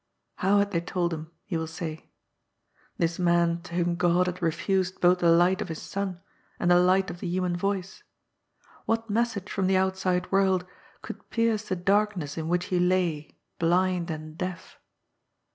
How had they told him ? you will say. This man to whom Ood had refused both the light of His sun and the light of the human voice ? What message from the outside world could pierce the darkness in which he lay, blind and deaf?